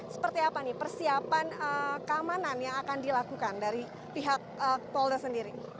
seperti apa nih persiapan keamanan yang akan dilakukan dari pihak polda sendiri